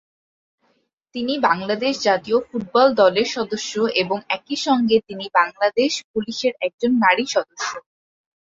তিনি বাংলাদেশ জাতীয় ফুটবল দলের সদস্য এবং একই সঙ্গে তিনি বাংলাদেশ পুলিশের একজন নারী সদস্য।